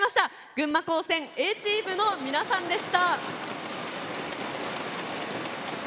群馬高専Ａチームの皆さんでした！